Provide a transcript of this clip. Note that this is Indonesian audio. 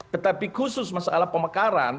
tetapi khusus masalah pemekaran